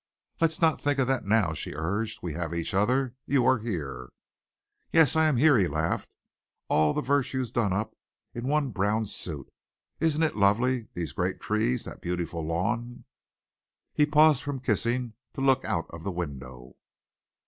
"Let's not think of that now," she urged. "We have each other. You are here." "Yes, here I am," he laughed, "all the virtues done up in one brown suit. Isn't it lovely these great trees, that beautiful lawn?" He paused from kissing to look out of the window.